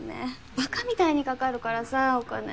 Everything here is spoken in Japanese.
ばかみたいにかかるからさお金。